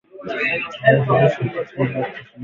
viazi lishe hupoteza virutubishi kwenye jua